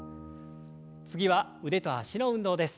次は腕と脚の運動です。